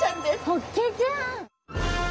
ホッケちゃん。